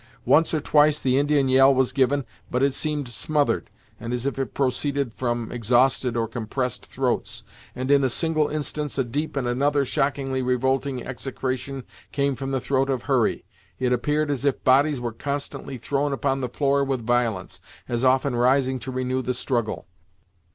Once or twice the Indian yell was given, but it seemed smothered, and as if it proceeded from exhausted or compressed throats, and, in a single instance, a deep and another shockingly revolting execration came from the throat of Hurry. It appeared as if bodies were constantly thrown upon the floor with violence, as often rising to renew the struggle.